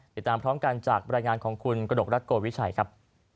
ติดตามพร้อมกันจากบรรยายงานของคุณกระดกรัฐโกวิชัยครับ